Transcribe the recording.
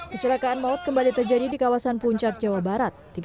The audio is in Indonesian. kecelakaan maut kembali terjadi di kawasan puncak jawa barat